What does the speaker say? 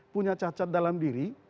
punya cacat dalam diri